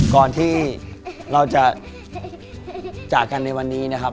ก่อนที่เราจะจากกันในวันนี้นะครับ